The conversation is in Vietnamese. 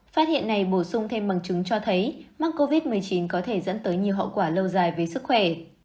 phát hiện này bổ sung thêm bằng chứng cho thấy mắc covid một mươi chín có thể dẫn tới nhiều hậu quả lâu dài với sức khỏe